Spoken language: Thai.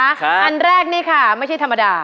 อันแรกนี่ค่ะไม่ใช่ธรรมดา